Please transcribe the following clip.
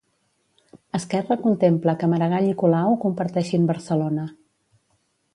Esquerra contempla que Maragall i Colau comparteixin Barcelona.